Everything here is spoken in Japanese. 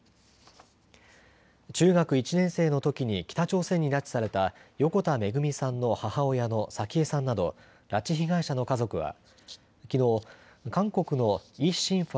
中学１年生のときに北朝鮮に拉致された横田めぐみさんの母親の早紀江さんなど拉致被害者の家族はきのう韓国のイ・シンファ